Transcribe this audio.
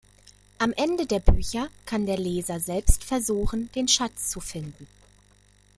Am Ende der Bücher kann der Leser selbst versuchen, den Schatz zu finden.